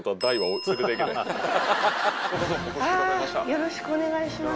よろしくお願いします。